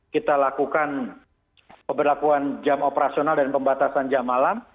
kita lakukan pemberlakuan jam operasional dan pembatasan jam malam